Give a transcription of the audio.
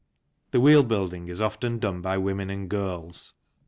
The wheel building is often done by women and girls.